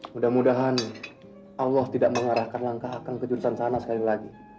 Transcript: mudah mudahan allah tidak mengarahkan langkah langkah kejurusan sana sekali lagi